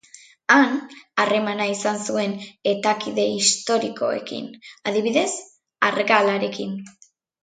Han, harremana izan zuen etakide historikoekin, adibidez Argalarekin.